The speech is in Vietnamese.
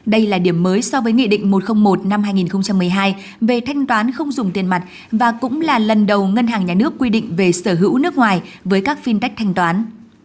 đây là điểm mới so với nghị định một trăm linh một năm hai nghìn một mươi hai về thanh toán không dùng tiền mặt và cũng là lần đầu ngân hàng nhà nước quy định về sở hữu nước ngoài với các fintech thanh toán